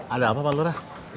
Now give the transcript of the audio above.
ada apa pak lora